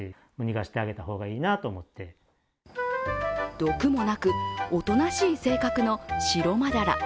毒もなく、おとなしい性格のシロマダラ。